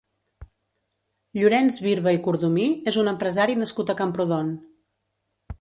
Llorenç Birba i Cordomí és un empresari nascut a Camprodon.